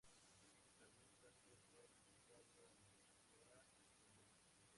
El jardín botánico está dedicado a la flora australiana.